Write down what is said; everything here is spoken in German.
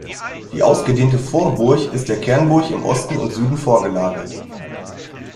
Die ausgedehnte Vorburg ist der Kernburg im Osten und Süden vorgelagert.